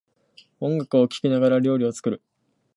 音楽を聴きながら料理を作る